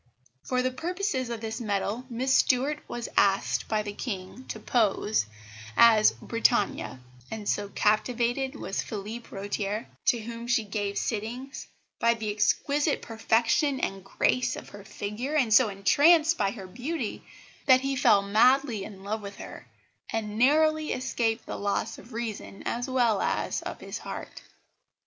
For the purposes of this medal Miss Stuart was asked by the King to pose as Britannia; and so captivated was Phillipe Rotier, to whom she gave sittings, by the exquisite perfection and grace of her figure, and so entranced by her beauty, that he fell madly in love with her, and narrowly escaped the loss of reason as well as of his heart.